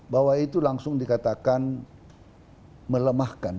bahwa itu langsung dikatakan melemahkan